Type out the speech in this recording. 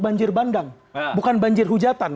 banjir bandang bukan banjir hujatan